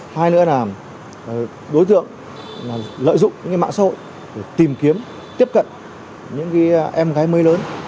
hai nữa là đối tượng lợi dụng những mạng xã hội để tìm kiếm tiếp cận những em gái mới lớn